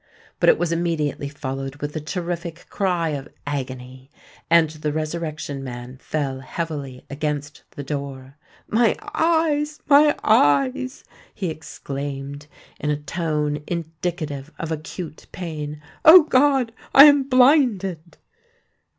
But it was immediately followed with a terrific cry of agony; and the Resurrection Man fell heavily against the door. "My eyes! my eyes!" he exclaimed, in a tone indicative of acute pain: "O God! I am blinded!"